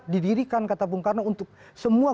didirikan kata bung karno untuk semua